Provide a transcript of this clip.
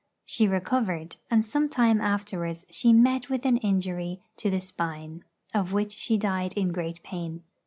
She recovered; and some time afterwards she met with an injury to the spine, of which she died in great pain.